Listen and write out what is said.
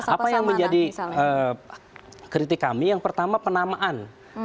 apa yang menjadi kritik kami yang pertama penamaan